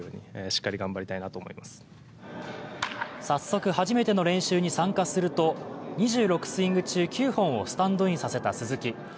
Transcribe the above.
早速初めての練習に参加すると２６スイング中９本をスタンドインさせた鈴木。